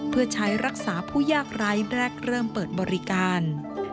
เพื่อใช้รักษาผู้ยากไร้แรกเริ่มเปิดบริการ